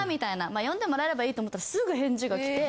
まあ読んでもらえればいいと思ったらすぐ返事が来て。